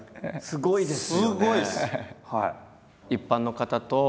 すごいです！